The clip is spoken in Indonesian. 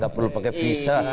gak perlu pakai pisah